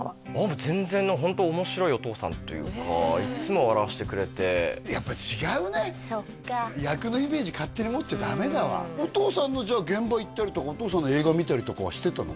もう全然ホント面白いお父さんというかいつも笑わしてくれてやっぱ違うね役のイメージ勝手に持っちゃダメだわお父さんのじゃあ現場行ったりとかお父さんの映画見たりとかはしてたの？